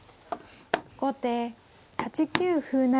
後手８九歩成。